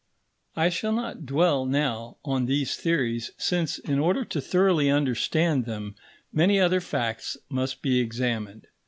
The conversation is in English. I shall not dwell now on these theories, since, in order to thoroughly understand them, many other facts must be examined.